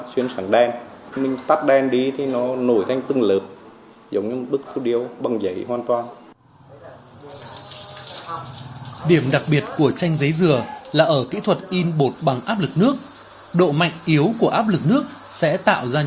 xin chào tạm biệt quý vị và các bạn